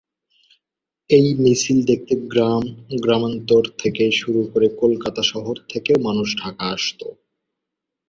এই মিছিল দেখতে গ্রাম-গ্রামান্তর থেকে শুরু করে কলকাতা শহর থেকেও মানুষ ঢাকায় আসত।